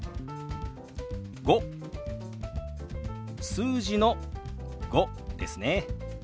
数字の「５」ですね。